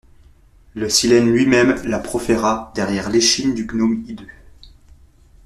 Le Silène lui-même la proféra derrière l'échine du gnome hideux.